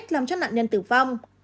làm cho nạn nhân tử vong